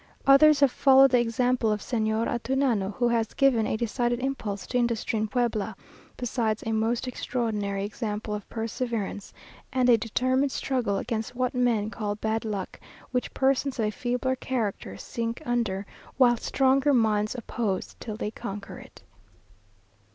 Others have followed the example of Señor Antunano, who has given a decided impulse to industry in Puebla, besides a most extraordinary example of perseverance, and a determined struggle against what men call bad luck, which persons of a feebler character sink under, while stronger minds oppose till they conquer it.